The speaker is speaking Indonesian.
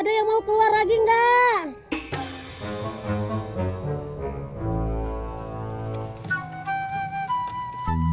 ada yang mau keluar lagi enggak